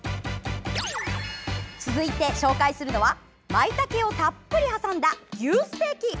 続いて紹介するのはまいたけをたっぷり挟んだ牛ステーキ。